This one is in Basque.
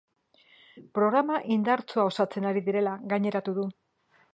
Programa indartsua osatzen ari direla gaineratu du.